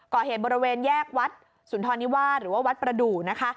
ก่อเหตุบริเวณแยกวัดสุนทรนิวาสหรือว่าวัดประดูกนะคะ